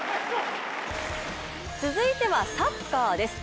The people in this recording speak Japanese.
続いてはサッカーです。